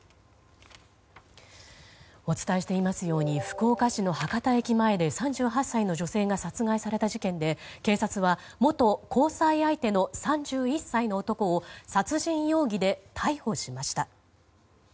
お伝えしていますように福岡市の博多駅前で３８歳の女性が殺害された事件で警察は元交際相手の３１歳の男を殺人容疑で逮捕しました。